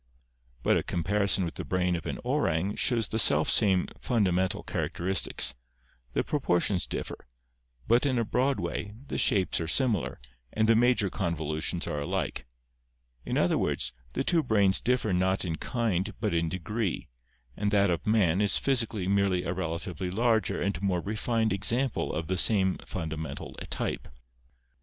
But a comparison with the brain of an orang shows the self same fundamental char acteristics; the proportions differ, but in a broad way the shapes are 660 ORGANIC EVOLUTION similar and the major convolutions are alike, in other words, Che two brains differ not in kind but in degree, and that of man is physi cally merely a relatively larger and more refined example of the same fundamental type.